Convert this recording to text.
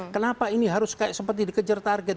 kenapa ini harus seperti dikejar target